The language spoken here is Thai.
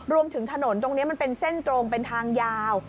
รวมถึงถนนตรงนี้มันเป็นเส้นตรงเป็นทางยาว